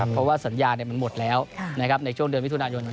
เพราะว่าสัญญามันหมดแล้วในช่วงเดือนมิถุนายน